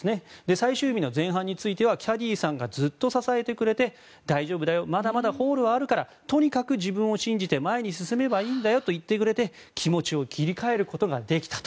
最終日の前半についてはキャディーさんがずっと支えてくれて大丈夫だよまだまだホールはあるからとにかく自分を信じて前に進めばいいんだよと言ってくれて気持ちを切り替えることができたと。